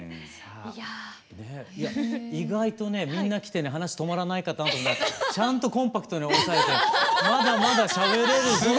いや意外とねみんな来てね話止まらないかなと思ったらちゃんとコンパクトに抑えてまだまだしゃべれる。